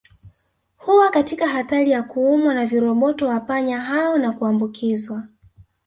Huwa katika hatari ya kuumwa na viroboto wa panya hao na kuambukizwa